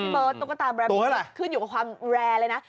เบิร์ตตุ๊กตาแรมิตขึ้นอยู่กับความแรร์เลยนะ